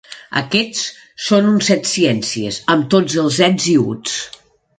Aquests són uns set-ciències, amb tots els ets i uts.